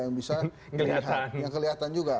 yang bisa kelihatan juga